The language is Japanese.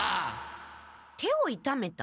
手をいためた？